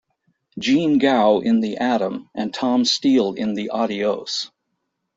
Jean Gau in the Atom; and Tom Steele in the Adios.